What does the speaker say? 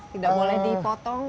tidak boleh dipotong atau